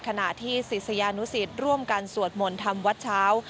ขณะที่ศิษยานุสิตร่วมกันสวดมนต์ทำวัดเช้า